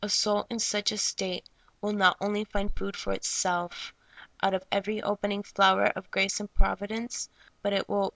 soul in such a state will not only find food for itself out of every opening flower of A DKEPE:R death to S^L^.